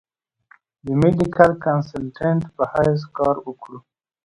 د ميډيکل کنسلټنټ پۀ حېث کار اوکړو ۔